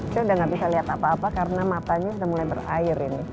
saya udah gak bisa lihat apa apa karena matanya sudah mulai berair ini